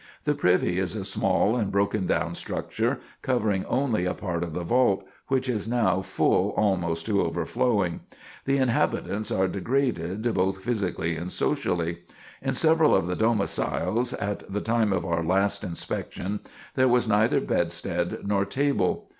The privy is a small and broken down structure, covering only a part of the vault, which is now full almost to overflowing. The inhabitants are degraded, both physically and socially. In several of the domiciles, at the time of our last inspection, there was neither bedstead nor table.